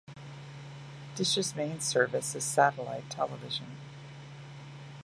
Dish's main service is satellite television.